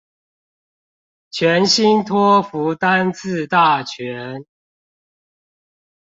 全新托福單字大全